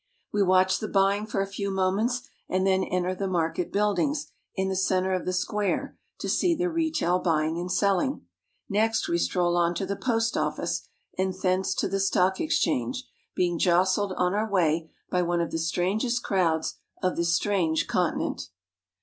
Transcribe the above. We watch the buying for a few moments and then F enter the market buildings, in the center of the square, to fcsee the retail buying and selling. Next we stroll on to frthe Post Office and thence to the Stock Exchange, being I jostled on our way by one of the strangest crowds of I this strange continent.